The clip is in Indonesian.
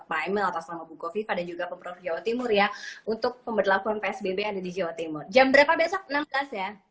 pak emil atas nama buko viva dan juga pemprov jawa timur ya untuk pemberlakuan psbb ada di jawa timur jam berapa besok enam belas ya